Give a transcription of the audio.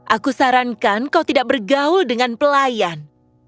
aku sarankan kau tidak bergaul dengan pelayan